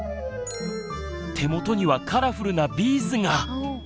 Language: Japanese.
手元にはカラフルなビーズが。